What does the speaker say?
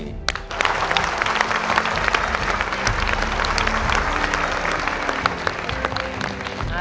มีหนี้ไหมคะ